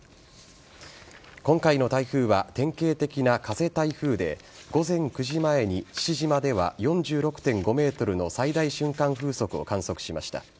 今回の台風は典型的な風台風で午前９時前に父島では４６．５メートルの最大瞬間風速を観測しました。